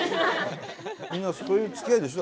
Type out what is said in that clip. みんなそういうつきあいでしょ？